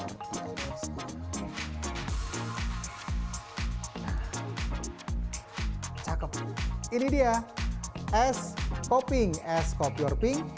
nah cakep ini dia es kopi es kopi or pink